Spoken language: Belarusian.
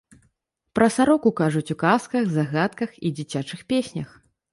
Пра сароку кажуць у казках, загадках і ў дзіцячых песнях.